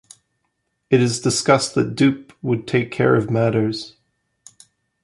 It is discussed that Doop would take care of matters.